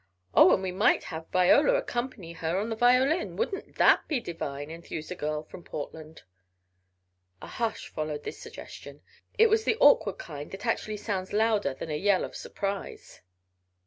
"Oh, and we might have Viola accompany her on the violin! Wouldn't that be divine!" enthused a girl from Portland. A hush followed this suggestion. It was the awkward kind that actually sounds louder than a yell of surprise.